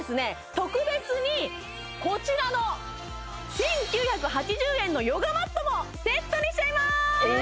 特別にこちらの１９８０円のヨガマットもセットにしちゃいます！